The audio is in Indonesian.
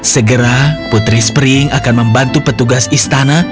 segera putri spring akan membantu petugas istana